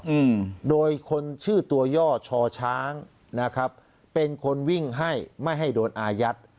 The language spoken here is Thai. อืมโดยคนชื่อตัวย่อชอช้างนะครับเป็นคนวิ่งให้ไม่ให้โดนอายัด